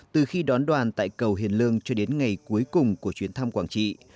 từ khi đón đoàn tại cầu hiền lương cho đến ngày cuối cùng của chuyến thăm quảng trị